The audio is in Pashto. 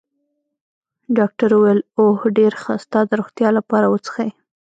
ډاکټر وویل: اوه، ډېر ښه، ستا د روغتیا لپاره، و څښئ.